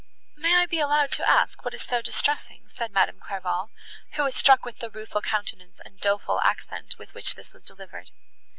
"May I be allowed to ask what is so distressing?" said Madame Clairval, who was struck with the rueful countenance and doleful accent, with which this was delivered.